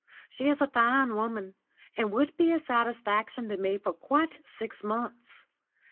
"She is a fine woman, and would be a satisfaction to me for quite six months.